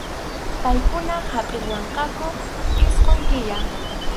Paykuna hapʼiwarqanku isqun killa.